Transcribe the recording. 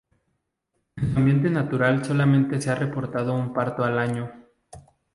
En su ambiente natural solamente se ha reportado un parto al año.